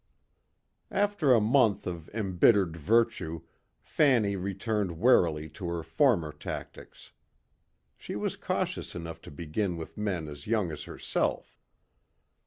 After a month of embittered virtue Fanny returned warily to her former tactics. She was cautious enough to begin with men as young as herself.